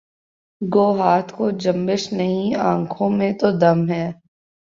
گو ہاتھ کو جنبش نہیں آنکھوں میں تو دم ہے